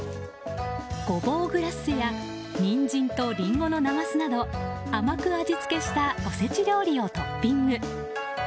ゴボウグラッセやニンジンとリンゴのなますなど甘く味付けしたおせち料理をトッピング。